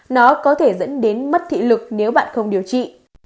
nó có thể dẫn đến mất thị lực nếu bạn không điều trị